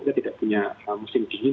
kita tidak punya musim dingin